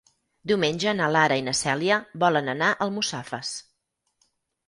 Diumenge na Lara i na Cèlia volen anar a Almussafes.